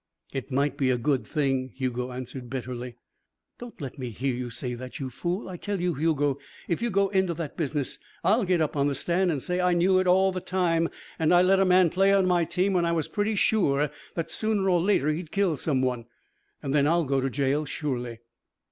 "It might be a good thing," Hugo answered bitterly. "Don't let me hear you say that, you fool! I tell you, Hugo, if you go into that business, I'll get up on the stand and say I knew it all the time and I let a man play on my team when I was pretty sure that sooner or later he'd kill someone. Then I'll go to jail surely."